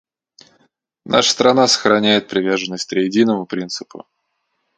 Наша страна сохраняет приверженность «триединому» принципу.